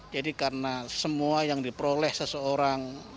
jadi karena semua yang diperoleh seseorang